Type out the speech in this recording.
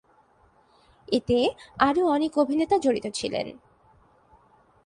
এতে আরও অনেক অভিনেতা জড়িত ছিলেন।